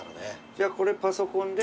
じゃあこれパソコンで。